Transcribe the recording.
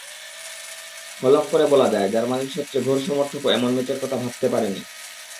হলফ করে বলা যায়, জার্মানির সবচেয়ে ঘোর সমর্থকও এমন ম্যাচের কথা ভাবতে পারেননি।